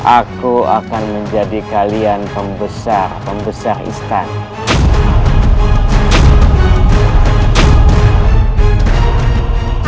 aku akan menjadi kalian pembesar pembesar istana